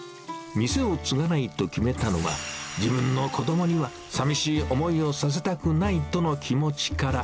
店を継がないと決めたのは、自分の子どもにはさみしい思いをさせたくないとの気持ちから。